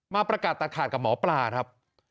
มาประกาศตัดขาดกับหมอปลาครับ